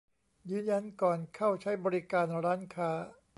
ยืนยันก่อนเข้าใช้บริการร้านค้า